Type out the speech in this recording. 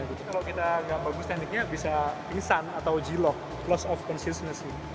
jadi kita agak bagus tekniknya bisa pisan atau g lock plus of consistency